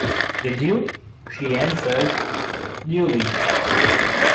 “Did you?” she answered, dully.